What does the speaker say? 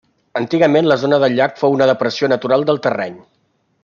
Antigament la zona del llac fou una depressió natural del terreny.